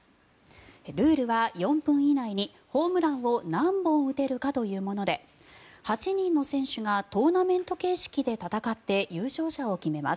ルールは４分以内にホームランを何本打てるかというもので８人の選手がトーナメント形式で戦って優勝者を決めます。